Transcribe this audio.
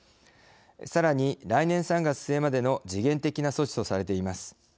さらに、来年３月末までの時限的な措置とされています。